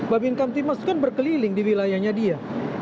babin kamtimas kan berkeliling di wilayahnya dia